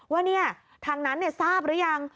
ว่าทางนั้นทราบหรือยัง